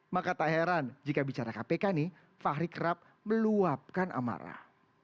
maka tak heran jika bicara kpk nih fahri kerap meluapkan amarah